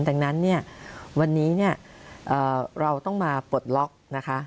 ดังนั้นเนี่ยวันนี้เนี่ยเราต้องมาปลดล็อกนะคะ